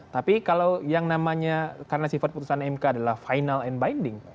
tapi kalau yang namanya karena sifat putusan mk adalah final and binding